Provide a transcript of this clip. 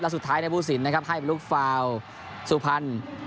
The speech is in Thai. และสุดท้ายในบูศิลป์นะครับให้ลูกฟาวสุพันธ์